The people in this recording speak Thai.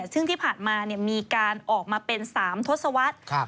ซึ่งที่ผ่านมามีการออกมาเป็น๓ทศวรรษ